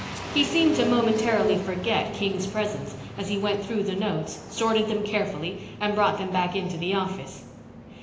He seemed to momentarily forget King's presence as he went through the notes, sorted them carefully, and brought them back into the office.